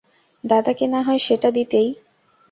দাদাকে না হয় সেটা দিতেই।